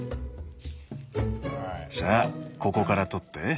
さあここから取って。